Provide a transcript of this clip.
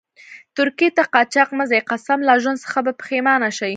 ترکيې ته قاچاق مه ځئ، قسم لا ژوند څخه به پیښمانه شئ.